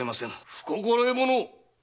不心得者！